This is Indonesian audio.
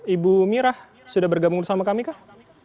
ibu mirah sudah bergabung bersama kami kah